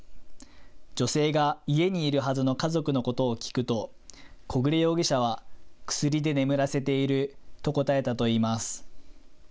女性が家にいるはずの家族のことを聞くと小暮容疑者は薬で眠らせていると答えたといいます。